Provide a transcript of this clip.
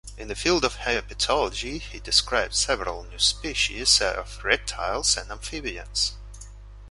In the field of herpetology he described several new species of reptiles and amphibians.